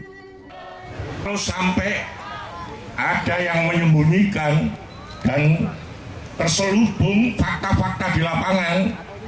terus sampai ada yang menyembunyikan dan terselubung fakta fakta di lapangan